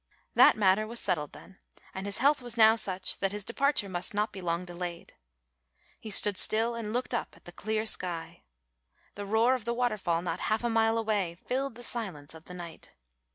That matter was settled then; and his health was now such that his departure must not be long delayed. He stood still and looked up at the clear sky. The roar of the waterfall not half a mile away filled the silence of the night.